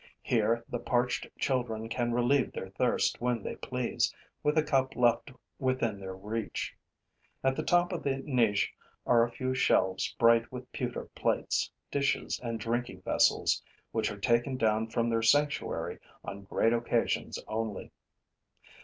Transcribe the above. Here the parched children can relieve their thirst when they please, with a cup left within their reach. At the top of the niche are a few shelves bright with pewter plates, dishes and drinking vessels, which are taken down from their sanctuary on great occasions only.